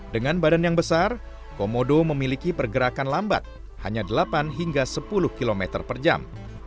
dengan badan yang besar komodo memiliki pergerakan lambat hanya delapan hingga sepuluh km per jam